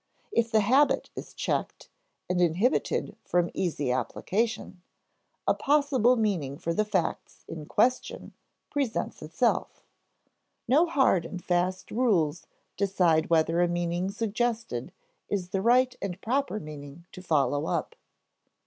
If the habit is checked, and inhibited from easy application, a possible meaning for the facts in question presents itself. No hard and fast rules decide whether a meaning suggested is the right and proper meaning to follow up.